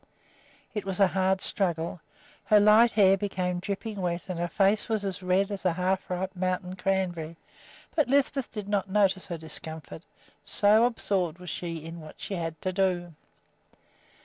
It was a hard struggle. Her light hair became dripping wet and her face was as red as a half ripe mountain cranberry; but Lisbeth did not notice her discomfort, so absorbed was she in what she had to do.